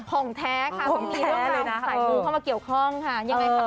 ผ่องแท้ค่ะต้องมีเรื่องของสายมูเข้ามาเกี่ยวข้องค่ะ